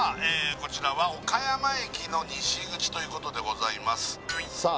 こちらは岡山駅の西口ということでございますさあ